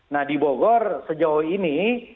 nah di bogor sejauh ini